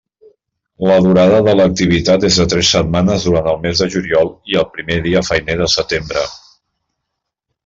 La durada de l'activitat és de tres setmanes durant el mes de juliol i el primer dia feiner de setembre.